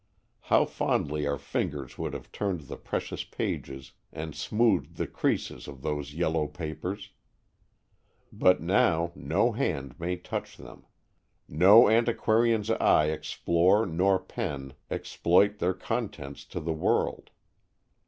How fondly our fingers would have turned the precious pages and smoothed the creases of those yellow papers! But now no hand may touch them, no antiquarian's eye explore nor pen exploit their contents to the world!